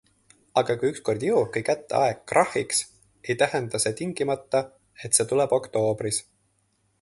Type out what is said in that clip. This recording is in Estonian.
Aga kui ükskord jõuabki kätte aeg krahhiks, ei tähenda see tingimata, et see tuleb oktoobris.